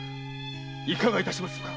いかがいたしますか？